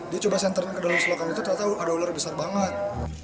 dia coba senternya ke dalam selokan itu ternyata ada ular besar banget